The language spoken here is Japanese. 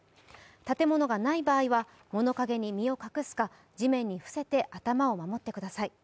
建物がない場合は物陰に身を隠すか地面に伏せて頭を守ってください。